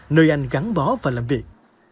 nơi anh gắn bó và làm việc